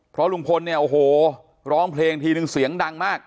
เพราะลุงพลเนี่ยโอ้โหร้องเพลงทีนึงเสียงดังมาก